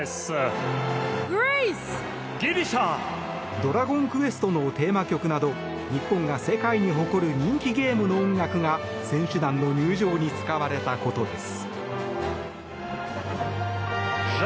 「ドラゴンクエスト」のテーマ曲など日本が世界に誇る人気ゲームの音楽が選手団の入場に使われたことです。